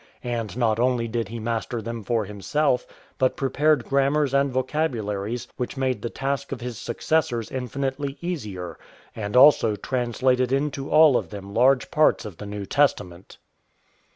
And not only did he master them for himself, but prepared gram mars and vocabularies which made the task of his successors infinitely easier, and also translated into all of them large parts of the New Testament.